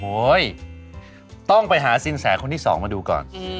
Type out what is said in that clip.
โอ้ยต้องไปหาสินแสคนที่สองมาดูก่อน